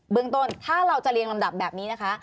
เมืองต้นถ้าเราจะเรียงลำดับแบบนี้นะคะ